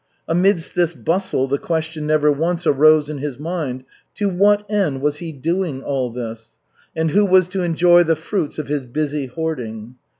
Amidst this bustle the question never once arose in his mind: To what end was he doing all this, and who was to enjoy the fruits of his busy hoarding?